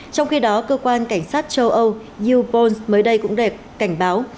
trong khi đó cơ quan cảnh sát châu âu u bones mới đây cũng đề cảnh báo